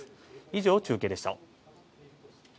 以上、中継でした。